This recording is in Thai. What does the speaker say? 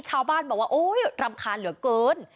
ชาวบ้านบอกว่าโอ๊ยรำคาญเหลือเกิน